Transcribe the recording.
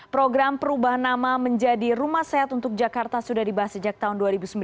program perubahan nama menjadi rumah sehat untuk jakarta sudah dibahas sejak tahun dua ribu sembilan